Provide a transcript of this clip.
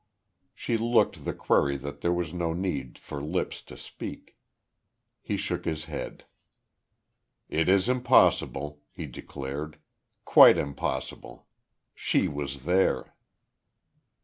She looked the query that there was no need for lips to speak. He shook his head. "It is impossible," he declared. "Quite impossible. She was there."